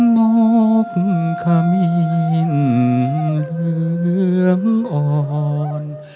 นกขมินเหลืองอ่อน